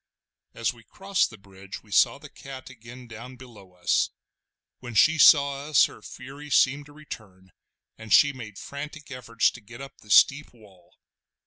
As we crossed the bridge we saw the cat again down below us. When she saw us her fury seemed to return, and she made frantic efforts to get up the steep wall.